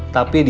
tapi di sini